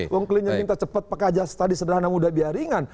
wong klin yang minta cepat pakai aja tadi sederhana mudah biaya ringan